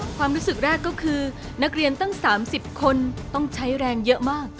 ความรู้สึกแรกก็คือนักเรียนตั้ง๓๐คนต้องใช้แรงเยอะมาก